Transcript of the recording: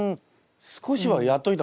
少しはやっといた方が？